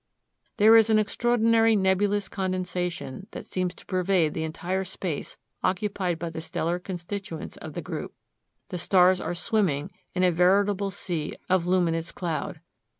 There is an extraordinary nebulous condensation that seems to pervade the entire space occupied by the stellar constituents of the group. The stars are swimming in a veritable sea of luminous cloud.